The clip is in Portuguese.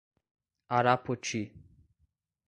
Arapoti